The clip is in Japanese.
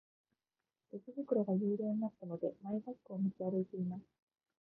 レジ袋が有料になったので、マイバッグを持ち歩いています。